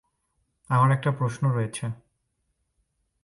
আমার একটা প্রশ্ন রয়েছে।